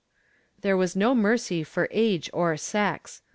^ There was no mercy for age or sex.